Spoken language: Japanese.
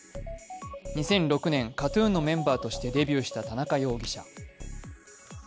２００６年、ＫＡＴ−ＴＵＮのメンバーとしてデビューした田中容疑者。